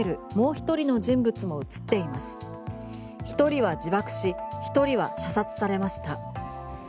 １人は自爆し１人は射殺されました。